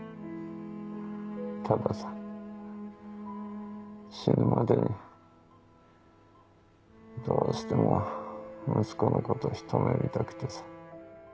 たださ死ぬまでにどうしても息子のことひと目見たくてさ。